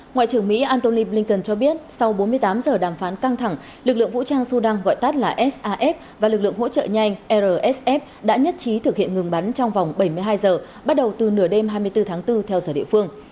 ngoại trưởng mỹ antony blinken cho biết sau bốn mươi tám giờ đàm phán căng thẳng lực lượng vũ trang sudan gọi tắt là saf và lực lượng hỗ trợ nhanh rsf đã nhất trí thực hiện ngừng bắn trong vòng bảy mươi hai giờ bắt đầu từ nửa đêm hai mươi bốn tháng bốn theo giờ địa phương